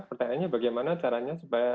pertanyaannya bagaimana caranya supaya